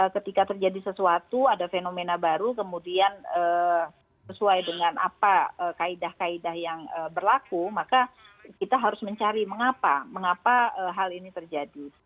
ketika terjadi sesuatu ada fenomena baru kemudian sesuai dengan apa kaedah kaedah yang berlaku maka kita harus mencari mengapa hal ini terjadi